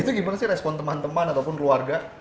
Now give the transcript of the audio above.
itu gimana sih respon teman teman ataupun keluarga